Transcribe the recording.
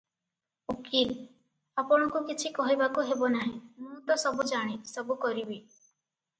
ଓକିଲ - "ଆପଣଙ୍କୁ କିଛି କହିବାକୁ ହେବ ନାହିଁ, ମୁଁ ତ ସବୁ ଜାଣେ, ସବୁ କରିବି ।